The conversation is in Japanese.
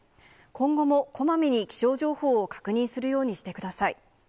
今後もこまめに気象情報を確認するようにしてください。